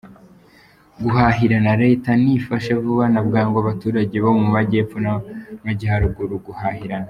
Guhahirana: leta nifashe vuba na bwangu abaturage bo mu majyepfo n’amajyaruguru guhahirana